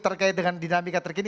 terkait dengan dinamika terkini